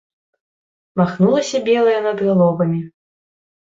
Махнулася белае над галовамі.